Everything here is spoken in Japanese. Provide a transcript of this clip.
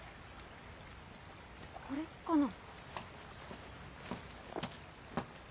これかな？